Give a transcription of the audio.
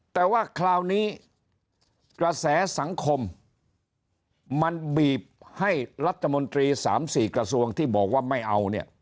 แต่ว่าคราวนี้กระแสสังคมมันบีบให้รัฐมนตรี๓๔กระทรวงที่บอกว่าไม่เอาเนี่ย